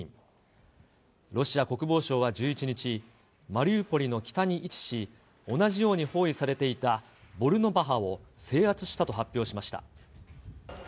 ロシア国防省は１１日、マリウポリの北に位置し、同じように包囲されていたボルノバハを制圧したと発表しました。